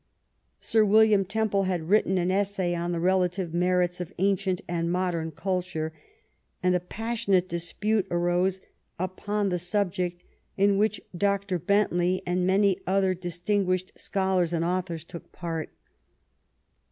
Sir William Temple had writ ten an essay on the relative merits of ancient and modem culture, and a passionate dispute arose upon the subject in which Dr. Bentley and many other dis tinguished scholars and authors took part.